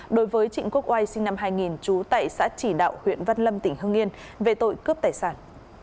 đối với trịnh quốc oai sinh năm hai nghìn trú tại xã chỉ đạo huyện văn lâm tỉnh hương yên về tội cướp tài sản